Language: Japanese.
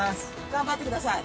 頑張ってください。